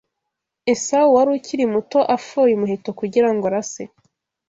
Esawu wari ukiri muto afoye umuheto kugira ngo arase